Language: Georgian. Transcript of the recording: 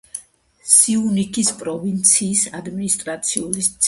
სიუნიქის პროვინციის ადმინისტრაციული ცენტრი.